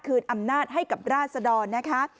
อำนาจให้กับราศดรนะคะ